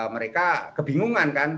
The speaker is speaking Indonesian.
mereka kebingungan kan